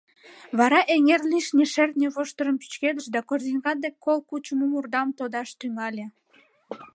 Вара эҥер лишне шертне воштырым пӱчкедыш да корзинка ден кол кучымо мурдам тодаш тӱҥале.